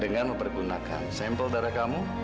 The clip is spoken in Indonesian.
dengan mempergunakan sampel darah kamu